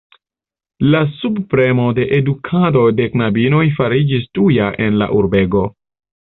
La subpremo de edukado de knabinoj fariĝis tuja en la urbego.